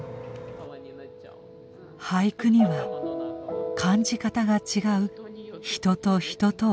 俳句には感じ方が違う人と人とをつなぐ力がある。